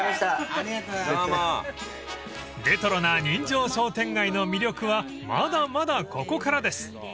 ［レトロな人情商店街の魅力はまだまだここからです］